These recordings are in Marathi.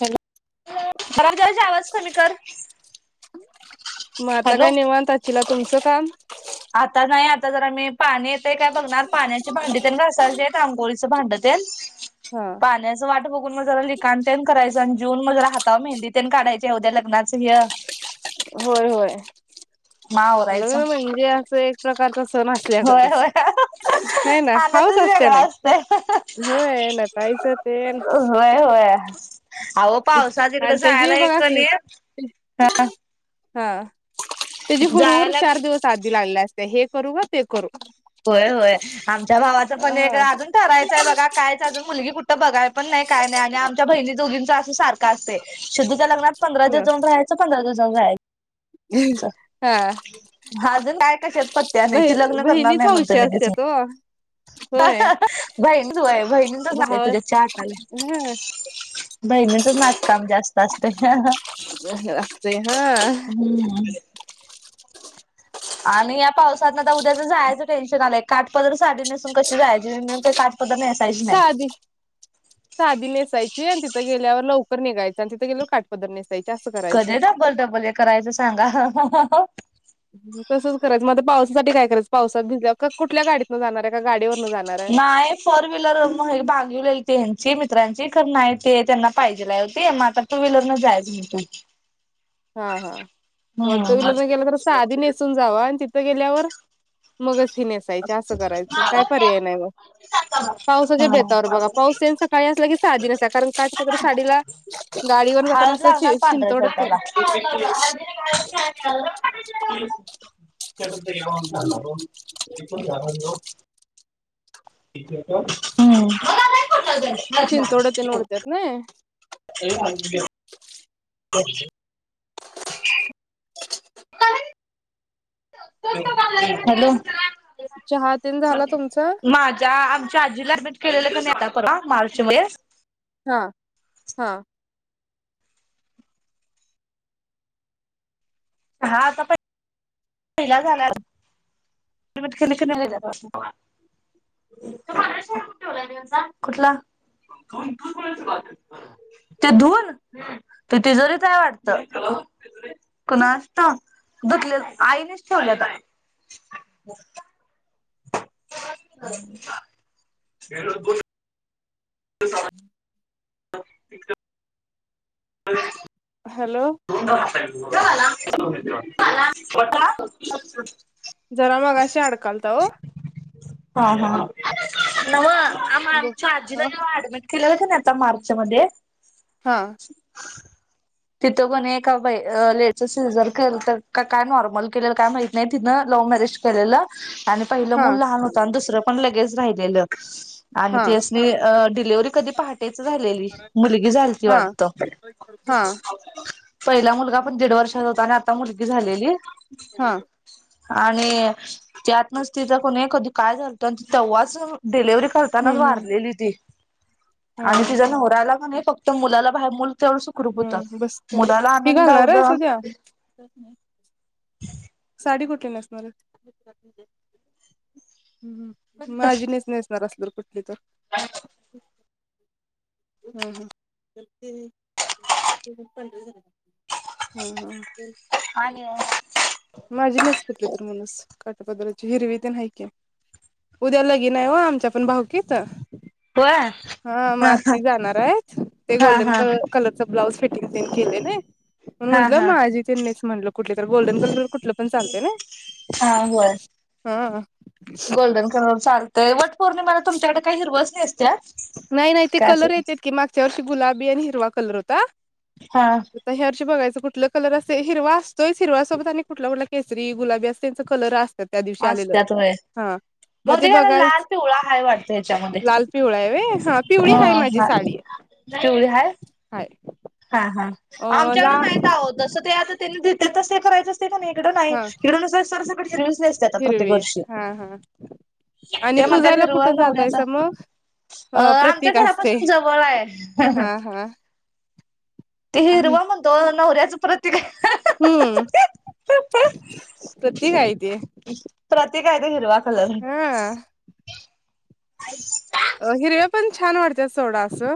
हॅलो? जरा आवाज कमी कर, म आता काय हॅलो. नेवान तचीला तुमचं काम, आता नाही आता जराम्ही पाणी येतय काय बघणार, पाण्याचे भांडीतल घायचे आंघोळ च भांडतल तेन, हा पाण्या वाट, पूर्ण जरा लिखाणं ते करायचं आणि जेऊन मग जरा, हातावर मेहंदीत काढायची उद्या लग्नाचं हे होय होय, मावरं हा लग्न म्हणजे असं एक प्रकारचा सण होय असल्यागतच. होय हाय ना आनंदच हाऊस असते वेगळा नाही अस होय नटायच तेन होय होय, अहो पावसाने कुठं आणि त्याची जायलाय बघा कि की नाही हा, त्याची हुरहुर चार दिवस आधी लागले असते हे करू का ते करू? होय होय, आमच्या भावाचं पण एक हा अजून ठरायचंय बघा कायच अजून मुलगी कुठं बघाय पण नाही काय नाही आमच्या बहिणी दोघींच असं सारखं असतंय [unintelligible] लग्नात पंधरा दिवस जाऊन राहायचं पंधरा दिवस जाऊन राहायचं. हा अजून काय कशात पत्या नाही बहि ते लग्न करणार बहिणीच नाही म्हणतो हौशी लगेच मी. असत्यात ओ होय बहिणच व्हय बहिणीचंच भाव पूजा चाहा आटालंय. हा बहिणींचंच नाचकाम जास्त असते. जास्त असतंय हा. [unintelligible] आणि या पावसातनं आता उद्याच जायचं टेन्शन आलंय. काठपदर साडी नेसून कशी जायाची [unintelligible] साधी, साधी नेसायची आणि तिथं गेल्यावर लव कर निघायचं आन तिथे गेल्यावर काटपदर नेसा कधी डबल डबल हे करायचं सांगा. तसंच करायचं मध्ये पावसासाठी काय करायचं पावसात भिजल्यावर कुठल्या गाडीत न जाणार आहे का गाडीव नाही फोर व्हीलर मग मागविलेलि हयांची मित् मित्रांची खर नाही ते त्यांना पाहिजेला हाय हो ते मग आता टू व्हीलरनच जायचं म्हणतोय. हा हा, मग टू व्हीलरन गेला तर साडी नेसून जावा आणि तिथ त गेल्यावर मगच हि नेसायची असं करायचं काय पर्याय नाही मग. पावसाच्या बेतावर हा बघा पाऊस येईन सकाळी असला की साधी नेसणार कारण काटपदर साडीला गाडीवर जाताना हळद असं शि लागणार पांढऱ्या शिंतोड तेन शर्टाला. [unintelligible] [unintelligible] हम्म शिंतोड तेन ओढत्यात नई [unintelligible] [unintelligible] [unintelligible] हॅलो चहा तेन झाला तुमचा? माझ्या आमच्या आजीला केलेलं की नाही आत्ता परवा मार्च मध्ये हा हा हा आता पहिला झाल्या [unintelligible] पांढरा शर्ट कुठे ठेवलाय त्यांचा? कुठला? ते धुन? ते तिजोरीत हाय वाटतं. कोणा धुतलेत, आईनेच ठेवलेत [unintelligible] [inaudible] [unintelligible] [unintelligible] हॅलो [unintelligible] जरा मगाशी अडकालता ओ. हा हा न्हवं आम्हा आमच्या आजीला हा जेव्हा ऍडमिट केलंल कि नाय आता मार्च मध्ये हा तिथं पण का बाय अ लेडीचं सीझर केलं तर काय नॉर्मल केलं काय माहित नाही तिनं लव म्यॅर रिज केलेलं. आणि पहिलं हा मूल लहान होत आणि दुसरं पण लगेच राहिलेलं आणि हा त्यास्नी डिलिव्हरी कधी पहाटायच झालेली मुलगी झालती हा वाटत हा पहिला मुलगा पण दीड वर्षात होता आणि आता मुलगी झालेली हा आणि त्यातच ना तिथं कोणी कधी काय झालतं आणि तेव्हाच डिलेव्हरी करताना हम्म हम्म भारलेली ती हा आणि तीच्या नवऱ्याला म्हणे फक्त मुला बाहेर सुखरूप होतं. हम्म बसते मुलाला ही घालणार आनंदवला आहेस उद्या साडी कुठे नसणार [inaudible] हम् माझी नेसणार असल कुठली तर [inaudible] [unintelligible] [unintelligible] आणि, माझी नेस कुटली तर म्हणूस काटपदराची हिरवी ते नाहीक उद्या लगीन आहे आमच्या कडे भाऊकीत होय हा मग हा आता ति जाणार आहे. ते हा गोल्डन हा हा कलरचा ब्लाउज फिट केले म्हणून हा म्हटलं हा माझी त्यांच म्हटलं कुठले तर गोल्डन कलर कुठलं पण चालत ना हा होय [inaudible] हा, गोल्डन कलर चालतय वट पौर्णिमेला तुमच्याकडे काही हिरवस नेसता नाही-नाही ते कलर येतेत की मागच्या वर्ष गुलाबी आणि हिरवा कलर होता. हा यावर्षी बघायचं कुठलं कलर असे हिरवा असतोयच हिरवा सोबत आणि कुठला कुठला केस ति गुलाबी असते त्यांच कलर असतात त्या दिवशी आलेलं असत्यात व्हय हा मध्ये बहुतेक याला लाल बघायच पिवळा हाय वाटतं ह्याच्यामध्ये [inaudible] लाल पिवळा आहे व्हय पिवळी हा हाय माझी हा साडी पिवळी हाय हाय हा हा अ आमच्याकडे [inaudible] लाल नाहीत आहोत जसं ते आता त्यांनी दे त ते करायच अस का नाही इकड हा इकड सरसकट हिरवीच नेसता प्रत्येक हिरवी वर्षी हा हा आणि ते म्हणतात पूजायला हिरव कुठे नवऱ्याचा जातायसा मग अ आमच्या प्रतीक असते घरापासून जवळ आहे. हा हा ते हिरवा म्हणतो नवऱ्याचं प्रतीक आहे. हम्म प्रत्यकयत [inaudible] प्रतिक आहे ते हिरवा कलर हा [unintelligible] अ हिरव्या पण छान वाटतात सोडा असं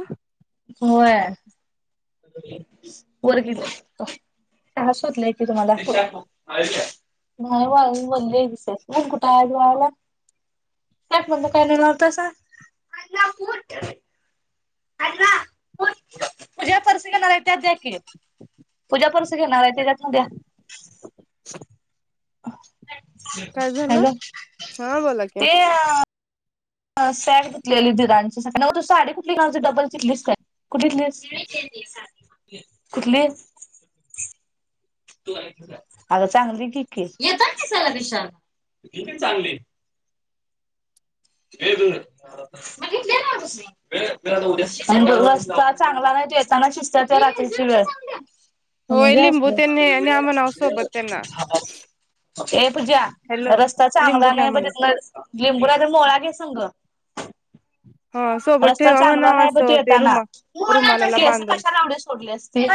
होय वर किती, तास होतलाय त तुम्हाला नाही वा बोलली [inaudible] कुठाजवाला, [inaudible] काय म्ह कातासापू, [inaudible] अ पू पूजा पर्सिकला राय अध्या क [inaudible] पूजा परस घेणार आहे त्याच्यात द्या काय [inaudible] झालं हॅलो हा बोला की ते अ सॅट घेतलेली दीडांचीग त साडी कुठली घाऊची डबल चिथलीच स कुठले [inaudible] कुठले [unintelligible] अग चांगलं र [inaudible] की येतात की चगश क चांगले [unintelligible] उद्या, म्ह रस्ता चांगला नाही ते येताना शिस्तात ते रात्रीची वेळ होय लिंबू त्यांनी न्या म्हणाव सोबत त्यांना [unintelligible] हे पूज्या हॅलो रस्ता चांगला लिंबू घ्या नाही. म्हणा लिंबूराचा मोळा घ्या संघ हा सोबत रस्ता ठेवा चांगला म्हणाव नाही ब तू असं ते येताना रुमा रुमालाला मस बांधून कशालावडे सोडलेस तिझ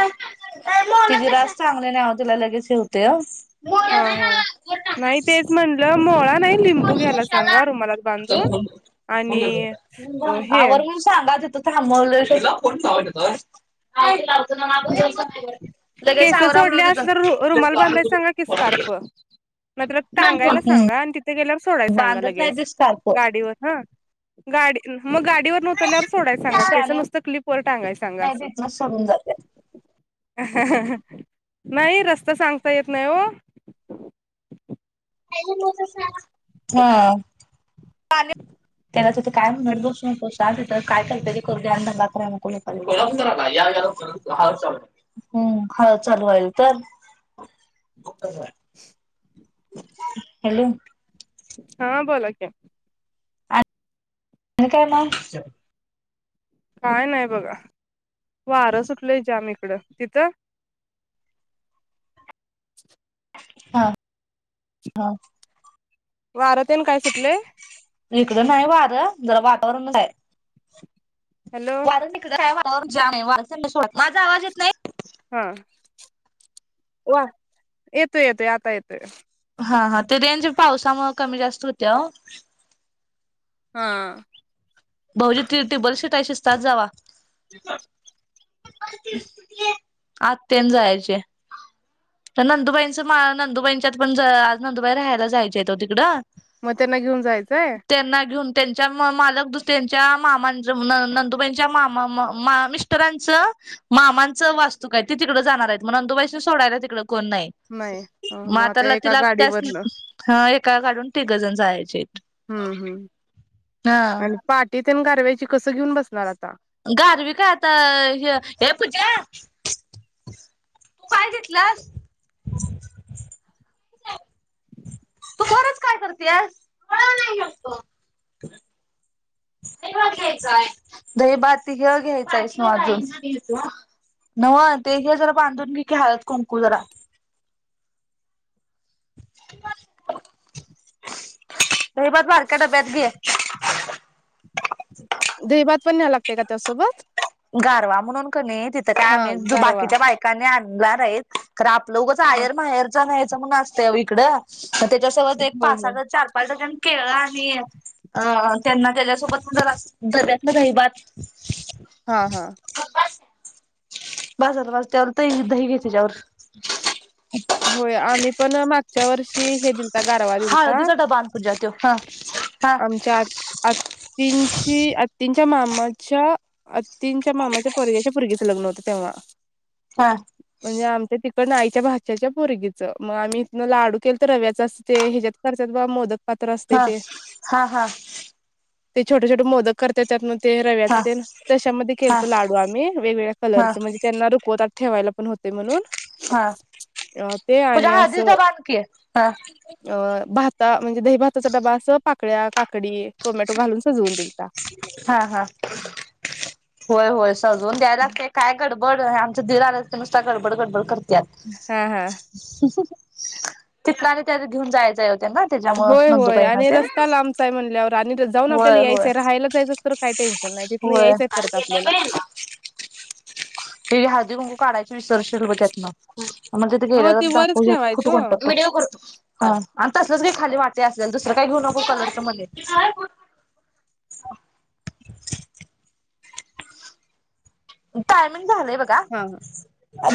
रास चांगली नाही आव तला लगेच होतय. हा हा, नाही तेच म्हटलं मोळा नाही लिंबू घ्यायला सांगा रुमालात बांधून आणि हे आवर [unintelligible] लगेच केस आवरा म्हणाव सोडली असली तर रुमाल बांधाय तिथं सांगा की स्कार्फ. नायतर टांगायला हम्म सांगा आणि तिथे गेल्यावर सोडाय सांगा बांधत नाही लगेच ती स्कार्फ गाडीवर ह गाडी मग गाडीवरंन उतरल्यावर सोडाय सांगा केस शानी नुसतं क्लिप वर टांगाय सांगा नाही असं. तिथनच सोडून जात्यात [unintelligible] नाही रस्ता सांगता येत नाही हो. हा! त्याला तिथ काय म्हणत बसू नको, शांत त्याला काय करत्या ते करू दे आणि दंगा कराय नको लोकाच्या घरात. हम, हळद चालू व्हायली तर मग काय झालं? [inaudible] हॅलो! हा बोला की! आणि काय मग? काय नाही बघा, वारं सुटलंय जाम इकडं तिथं? [inaudible] हा, हा. वारं तेन काय सुटलय? इकडं नाही वारं जरा वातावरणच आहे. हॅलो वार इकडचं हाय वातावरण जाम हाय, माझा आवाज येत नाही? हा वा येतोय येतोय आता येतो हा हा ते रेंज पावसामुळं कमी जास्त हुत्या वो. हा. भाऊजी ती टीबल शीट हाय शिस्तात जावा. आत्या आणि जायची हाय. तर नंदुबाईंचं मा नंदुबाईंच्यात पण आज नंदुबाई राहायला जायच्या हायत वो तिकडं. मग त्यांना घेऊन जायचंय? त्यांना घेऊन त्यांच्या मालक दुस त्यांच्या मामांच नंदुबाईच्या मामा मिस्टरांच मामांच वास्तुक हाय ते तिकडे जाणार आहेत मग नंदूबाईसनी सोडायला तिकड कोण नाही नाही हा मग आता ला एका तिला, त्यास्नी गाडीवरनं ह एक एका गाडीवरन तिघजण जायची हायत. हम हम, आणि पाटी तेन गारव्याची कसं घेऊन बसणार आता? गारवी काय आता, ह ये पूजा! तू काय घेतलास? [inaudible] तू खरंच काय करत्यातस? पळू नाही शकतो. निवद घ्यायचा हाय, दही भात ते हे घ्यायच आहेस तू अजून! नव ते घे जरा बांधून घी की हळद कुंकू जरा. [unintelligible] दही भात बारक्या डब्यात घे. दहीभात पण न्हायला लागतय का त्यासोबत? गारवा म्हणून क नइ तिथं काय हा आम्ही गारवा बाकीच्या बायकांनी आणणार आहेत खरं आपलं उगच हा आहेर माहेरचा न्यायचा म्हणून असतय, वो इकडं त्याच्यासोबत एक होय होय पासाह चार पाच जण केळ आणि अ त्यांना त्याच्यासोबत जरासं डब्यातन दही भात हा हा बास झालं बास त्यावर दही दही घे तेजावर. होय आम्ही पण मागच्या वर्षी ती हे दिलता, गारवा दिलता, हळदीचा डबा आण पूजा त्यो हा हा आमच्या आ आती आत्तीची च्या मामाच्या अत्तींच्या मामाच्या पोरग्याच्या पोरगीचं लग्न होतं तेव्हा. हा म्हणजे आमच्या त पण आईच्या भाच्याच्या पोरगीचं मग आम्ही इथन लाडू केलं तर रव्याच असते ह्याच्यात करत्यात बघा मोदक पात्र असते हा ते, हा हा. ते छोटे - छोटे मोदक करतय त्यातन. ते रव्याचं हा ते त्याशमध्ये केल हा तर लाडू आम्ही वेगवेगळ्या हा कलरचं म्हणजे त्यांना रुकवत ठेवायला पण होते म्हणून, हा ते पूजा आणि हळदीचा असं डबा आण की हा अ... म्हणजे दही भाताचा डबा असं पाकळ्या, काकडी, टोमॅटो, घालून सजवून दिल त. हा हा होय होय सजवून द्याय लागतय काय गड बड आमचं दीर आलं तर नुसतता गडबड, गडबड करत्यात हा हा तिकडे आणि त्यांना घेऊन जायचंय होतं. होय होय आणि रस्ता लांबचा आहे म्हणल्यावर आणि जाऊन आपल्याला होय होय यायचंय राहायला जायचंच तर काय तिथन होय. यायच आहे परत आपल्याला. ते हळदी कुंकू काढायची विसरशील बघ त्यातन मग तिथे हो गेलं ते तर वरच दाखव एक फ़ोटो ठेवायचं. काढ आणि तसलच काही खाली वाटे असलेल दुसरं काही घेऊ नको कलरच्या मध्ये, ह टायमिंग झालंय बघा! हा हा